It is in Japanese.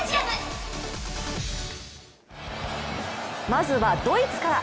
まずはドイツから。